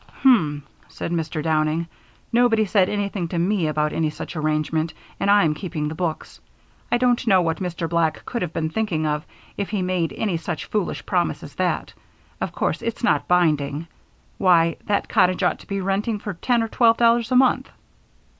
"Hum," said Mr. Downing. "Nobody said anything to me about any such arrangement, and I'm keeping the books. I don't know what Mr. Black could have been thinking of if he made any such foolish promise as that. Of course it's not binding. Why, that cottage ought to be renting for ten or twelve dollars a month!"